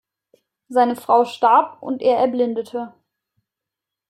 Seine Frau starb, und er erblindete.